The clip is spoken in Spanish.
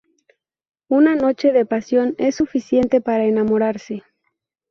Una noche de pasión es suficiente para enamorarse.